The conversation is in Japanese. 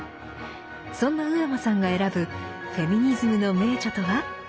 そんな上間さんが選ぶフェミニズムの名著とは。